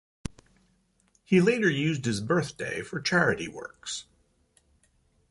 He later used his birthday for charity works.